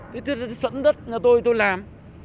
thế thì sẵn đất nhà tôi tôi làm